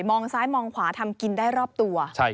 ซ้ายมองขวาทำกินได้รอบตัว